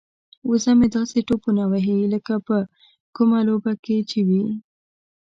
وزه مې داسې ټوپونه وهي لکه په کومه لوبه کې چې وي.